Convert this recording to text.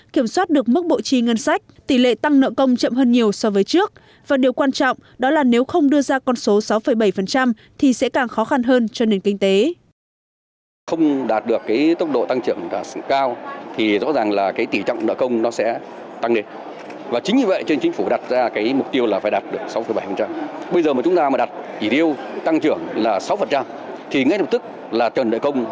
kiểm soát được mức bộ trì ngân sách tỷ lệ tăng nợ công chậm hơn nhiều so với trước